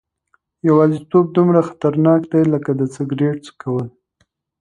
یوازیتوب دومره خطرناک دی لکه سګرټ څکول.